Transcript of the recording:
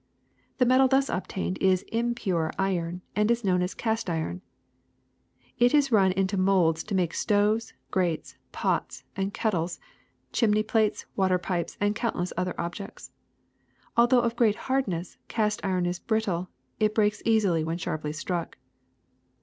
^^The metal thus obtained is impure iron and is known as cast iron. It is run into molds to make stoves, grates, pots, and kettles, chimney plates, water pipes, and countless other objects. Although of great hardness, cast iron is brittle : it breaks easily when sharply struck.''